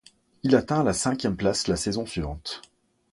Il atteint la cinquième place la saison suivante.